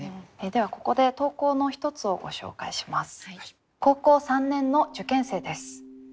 ではここで投稿の一つをご紹介します。